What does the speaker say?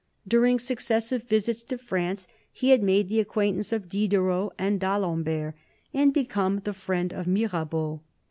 During successive visits to France he had made the acquaintance of Diderot and D'Alembert, and became the friend of Mirabeau.